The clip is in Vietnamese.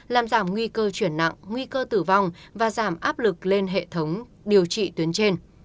làm giảm nguy cơ chuyển nặng nguy cơ tử vong và giảm áp lực lên hệ thống điều trị tuyến trên